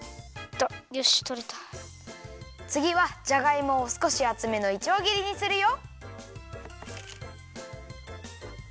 つぎはじゃがいもをすこしあつめのいちょうぎりにするよ。